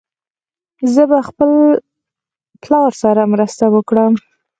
زه به خپل پلار سره مرسته وکړم.